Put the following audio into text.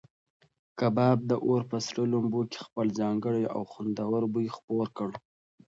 کباب د اور په سرو لمبو کې خپل ځانګړی او خوندور بوی خپور کړ.